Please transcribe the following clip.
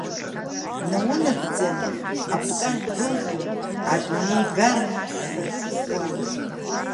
Наунагӡан акәтаӷь былгьон, адунеи гаран, сарҵысуан.